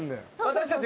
私たち。